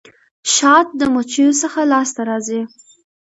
شات د مچيو څخه لاسته راځي.